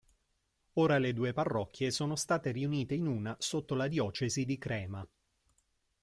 Ora le due parrocchie sono state riunite in una sotto la diocesi di Crema.